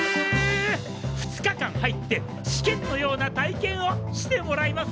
２日間入って試験のような体験をしてもらいますよ！